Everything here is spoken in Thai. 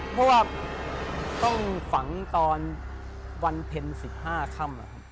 เพราะว่าต้องฝังตอนวันเพ็ญ๑๕ค่ำ